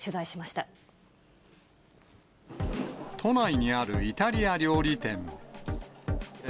都内にあるイタリア料理店。